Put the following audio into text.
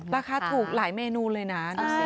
บรรคาถูกหลายเมนูเลยนะ